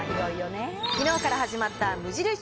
きのうから始まった無印